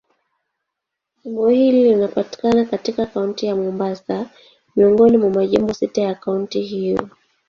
Jimbo hili linapatikana katika Kaunti ya Mombasa, miongoni mwa majimbo sita ya kaunti hiyo.